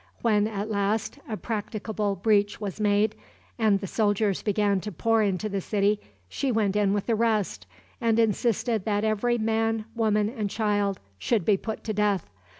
When, at last, a practicable breach was made, and the soldiers began to pour into the city, she went in with the rest, and insisted that every man, woman, and child should be put to death.